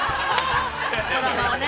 ◆ドラマをね。